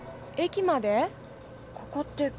ここって。